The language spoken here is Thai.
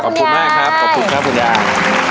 ขอบคุณมากครับขอบคุณครับคุณดา